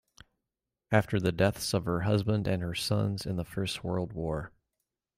After the deaths of her husband and her sons in the First World War.